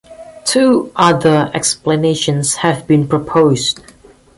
Two other explanations have been proposed.